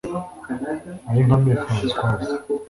Ayinkamiye Francoise